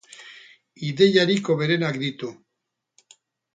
Ideiarik hoberenak ditu.